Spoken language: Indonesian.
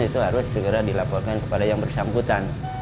itu harus segera dilaporkan kepada yang bersangkutan